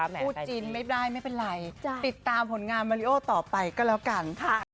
พูดจินไม่ได้ไม่เป็นไรติดตามผลงานมาริโอต่อไปก็แล้วกัน